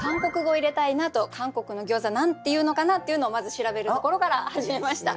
韓国の餃子何て言うのかなっていうのをまず調べるところから始めました。